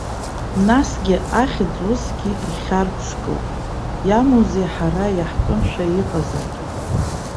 Насгьы, ахьӡ усгьы ихьарԥшгоуп, иамоузеи ҳара иаҳтәымшәа иҟазаргьы.